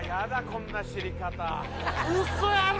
こんな知り方。